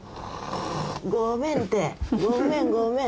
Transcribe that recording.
ごめんてごめんごめん。